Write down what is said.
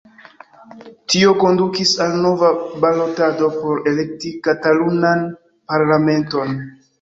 Tio kondukis al nova balotado por elekti Katalunan Parlamenton.